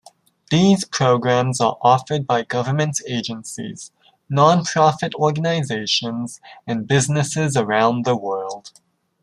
These programs are offered by government agencies, nonprofit organizations, and businesses around the world.